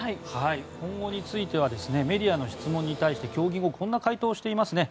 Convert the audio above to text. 今後についてはメディアの質問に対して競技後こんな回答をしています。